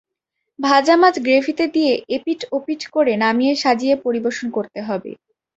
ভাজা মাছ গ্রেভিতে দিয়ে এপিঠ-ওপিঠ করে নামিয়ে সাজিয়ে পরিবেশন করতে হবে।